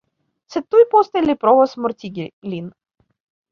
Sed tuj poste li provas mortigi lin.